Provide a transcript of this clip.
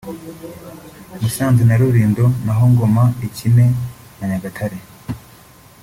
Musanze na Rulindo naho Ngoma ikine na Nyagatare